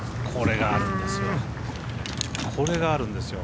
これがあるんですよ。